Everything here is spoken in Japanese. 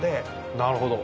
なるほど。